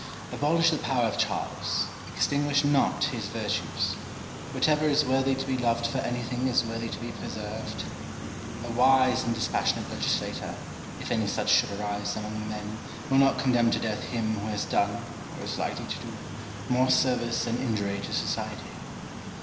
Abolish the power of Charles ; extinguish not his virtues. Whatever is worthy to be loved for anything is worthy to be preserved. A wise and dispassionate legislator, if any such should arise among men, will not condemn to death him who has done, or is likely to do, more service than injury to society.